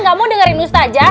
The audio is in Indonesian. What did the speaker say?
gak mau dengerin ustazah